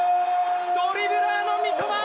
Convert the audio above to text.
ドリブラーの三笘！